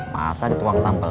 masa dituang tanpa beban